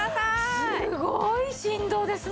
すごい振動ですね。